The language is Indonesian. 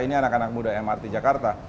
ini anak anak muda mrt jakarta